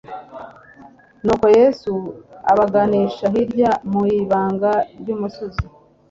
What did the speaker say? nuko Yesu abaganisha hirya mu ibanga ry'umusozi.